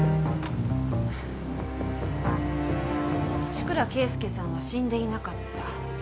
志倉啓介さんは死んでいなかった。